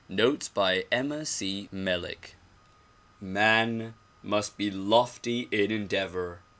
Notes by Emma C. Melick MAN must be lofty in endeavor.